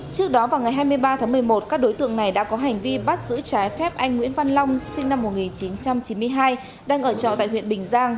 trước đó vào ngày hai mươi ba tháng một mươi một các đối tượng này đã có hành vi bắt giữ trái phép anh nguyễn văn long sinh năm một nghìn chín trăm chín mươi hai đang ở trọ tại huyện bình giang